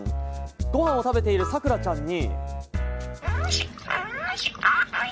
ごはんを食べている、さくらちゃんに。